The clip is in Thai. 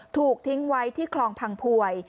ถูกทิ้งไว้ที่คลองพังพวย